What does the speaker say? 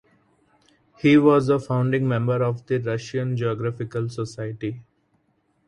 He was a founding member of the Russian Geographical Society.